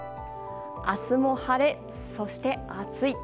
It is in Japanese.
明日も晴れ、そして暑い。